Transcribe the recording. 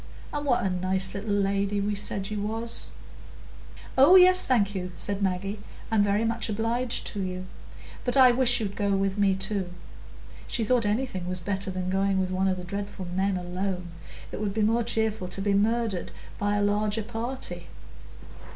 and what a nice little lady we said you was." "Oh yes, thank you," said Maggie, "I'm very much obliged to you. But I wish you'd go with me too." She thought anything was better than going with one of the dreadful men alone; it would be more cheerful to be murdered by a larger party.